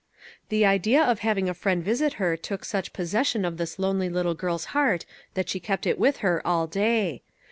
The idea of having a friend visit her took such possession of this lonely little girl's heart that she kept it with her all day.